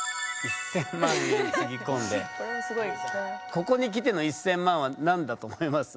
ここにきての１，０００万は何だと思います？